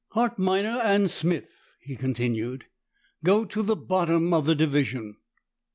"Hart Minor and Smith," he continued, "go to the bottom of the division.